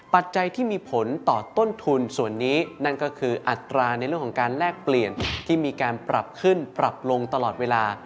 ปัจจัยที่มีผลต่อต้นทุนส่วนนี้นั่นก็คืออัตราในเรื่องของการแลกเปลี่ยนที่มีการปรับขึ้นปรับลงตลอดเวลา